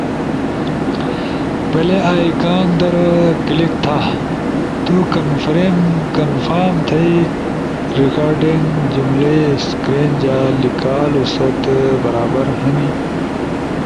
، پلے ائیکان در کلک تھا۔ تو کنفرم تھی ریکارڈنگ جملئی اسکرین جا لیکالو ست برابر ہنی۔